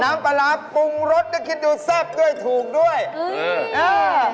น้ำปลาร้าปรุงรสก็คิดดูซับด้วยถูกด้วย